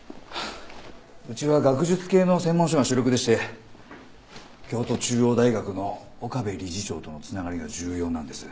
うちは学術系の専門書が主力でして京都中央大学の岡部理事長との繋がりが重要なんです。